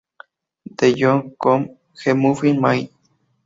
Do You Know the Muffin Man?